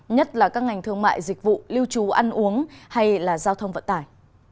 nhất là các ngành thương mại dịch vụ lưu trú ăn uống hay là giao thông vận tải